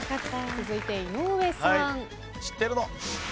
続いて武藤さん。